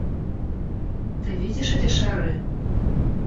Ты видишь эти шары?